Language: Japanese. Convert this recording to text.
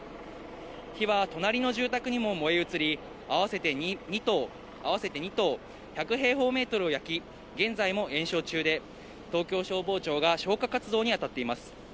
火は隣の住宅にも燃え移り、合わせて２棟、１００平方メートルを焼き、現在も延焼中で、東京消防庁が消火活動に当たっています。